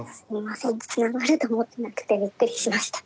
つながると思ってなくてびっくりしました。